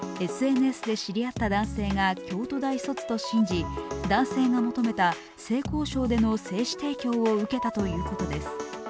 ＳＮＳで知り合った男性が京都大卒と信じ男性が求めた性交渉での精子提供を受けたということです。